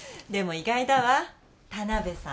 意外だわ田辺さん